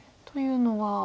というのは？